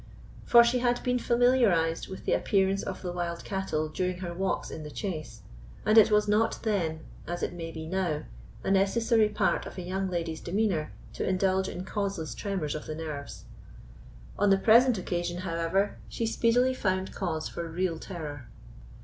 For she had been familiarised with the appearance of the wild cattle during her walks in the chase; and it was not then, as it may be now, a necessary part of a young lady's demeanour to indulge in causeless tremors of the nerves. On the present occasion, however, she speedily found cause for real terror.